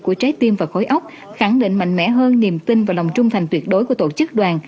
của trái tim và khối ốc khẳng định mạnh mẽ hơn niềm tin và lòng trung thành tuyệt đối của tổ chức đoàn